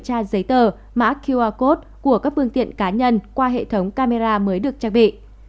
tra giấy tờ của các phương tiện cá nhân qua hệ thống camera mới được trang bị